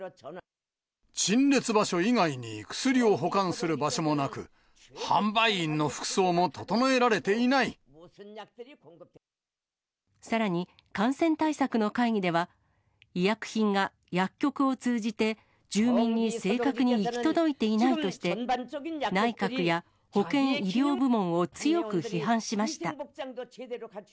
陳列場所以外に薬を保管する場所もなく、さらに、感染対策の会議では、医薬品が薬局を通じて住民に正確に行き届いていないとして、内閣や保健医療部門を強く批判しました。